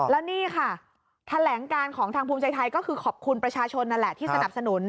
แล้วนี่ค่ะแถลงการของทางภูมิใจไทยก็คือขอบคุณประชาชนนั่นแหละที่สนับสนุน